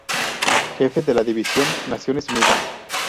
Jefe de la división Naciones Unidas.